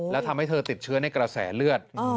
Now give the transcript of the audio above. แล้วทำให้เธอติดเชื้อในกระแสเลือด